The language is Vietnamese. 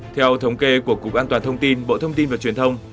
theo thống kê của cục an toàn thông tin bộ thông tin và truyền thông